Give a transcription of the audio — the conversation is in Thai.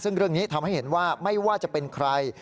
ซึ่งเรื่องนี้ทำให้เห็นว่าไม่ว่าจะเป็นใคร